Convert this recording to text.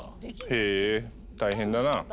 へえ大変だな。